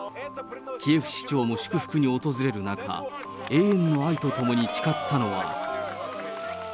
キエフ市長も祝福に訪れる中、永遠の愛とともに誓ったのは。